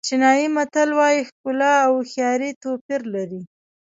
چینایي متل وایي ښکلا او هوښیاري توپیر لري.